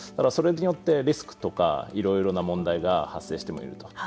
それによってリスクとかいろいろな問題が発生してもいると。